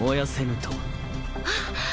あっ！